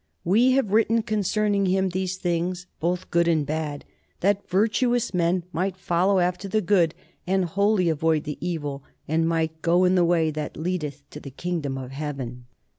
We have written concerning him these things, both good and bad, that virtuous men might follow after the good, and wholly avoid the evil, and might go in the way that leadeth to the kingdom of heaven.